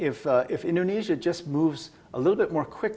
jika indonesia bergerak lebih cepat